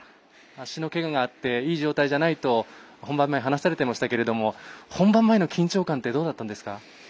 足のけががあっていい状態じゃないと本番前に話されていましたけども本番前の緊張感ってどうだったんですか。